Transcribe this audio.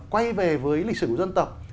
quay về với lịch sử của dân tộc